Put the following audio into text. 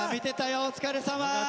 お疲れさま。